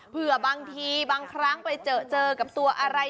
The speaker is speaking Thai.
เผื่อบางทีบางครั้งไปเจอกับตัวอะไร